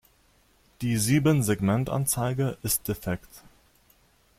Die Siebensegmentanzeige ist defekt.